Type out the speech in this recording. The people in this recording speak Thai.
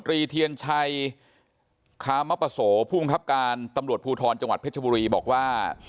เทียนชัยคามปโสภูมิครับการตำรวจภูทรจังหวัดเพชรบุรีบอกว่า